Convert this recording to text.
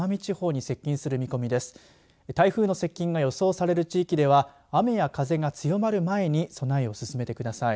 台風の接近が予想される地域では雨や風が強まる前に備えを進めてください。